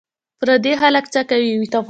پردي خلک څه کوې